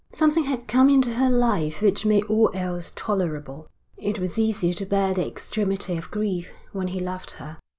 Something had come into her life which made all else tolerable. It was easy to bear the extremity of grief when he loved her.